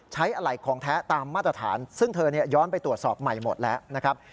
อะไรของแท้ตามมาตรฐานซึ่งเธอย้อนไปตรวจสอบใหม่หมดแล้วนะครับ